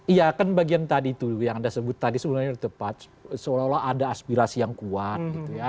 iya kan bagian tadi itu yang anda sebut tadi sebenarnya tepat seolah olah ada aspirasi yang kuat gitu ya